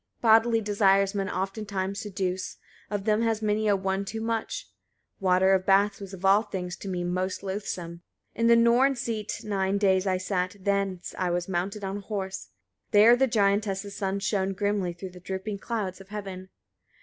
50. Bodily desires men oftentimes seduce, of them has many a one too much: water of baths was of all things to me most loathsome. 51. In the Norns' seat nine days I sat, thence I was mounted on a horse: there the giantess's sun shone grimly through the dripping clouds of heaven.